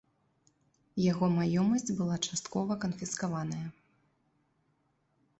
Яго маёмасць была часткова канфіскаваная.